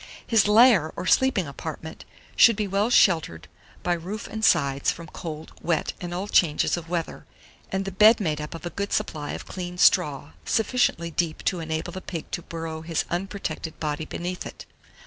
His lair, or sleeping apartment, should be well sheltered by roof and sides from cold, wet, and all changes of weather, and the bed made up of a good supply of clean straw, sufficiently deep to enable the pig to burrow his unprotected body beneath it.